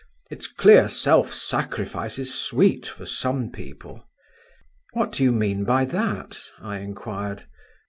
it's clear self sacrifice is sweet for some people!" "What do you mean by that?" I inquired.